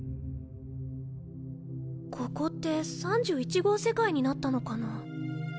ここって３１号世界になったのかなぁ。